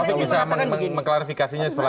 pak taufik bisa mengklarifikasinya